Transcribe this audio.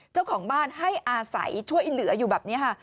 เจ้าของบ้านให้อาศัยช่วยเหลืออยู่แบบนี้ค่ะ